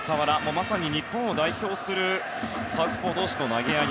まさに日本を代表するサウスポー同士の投げ合い。